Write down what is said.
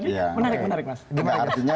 sudah ada evaluasinya